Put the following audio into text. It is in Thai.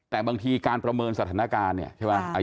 แต่บางทีการประเมินสถานการณ์เนี่ยใช่ไหม